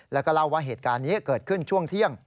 แล้วก็เล่าว่าเหตุการณ์นี้เกิดขึ้นช่วงเที่ยง